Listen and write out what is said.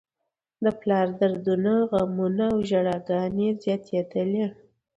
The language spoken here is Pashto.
د پلار دردونه، غمونه او ژړاګانې یې زياتېدلې.